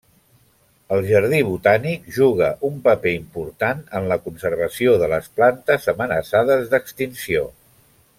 El jardí botànic juga un paper important en la conservació de les plantes amenaçades d'extinció.